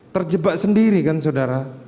terjebak sendiri kan saudara